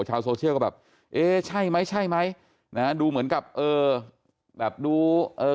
ชาวโซเชียลก็แบบเอ๊ใช่ไหมใช่ไหมนะฮะดูเหมือนกับเออแบบดูเอ่อ